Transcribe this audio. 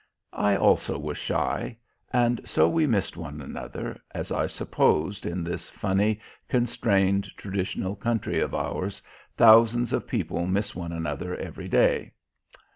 I also was shy and so we missed one another, as I suppose in this funny, constrained, traditional country of ours thousands of people miss one another every day.